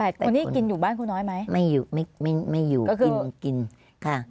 ๘คนนี่กินอยู่บ้านคุณน้อยไหมไม่อยู่กินค่ะ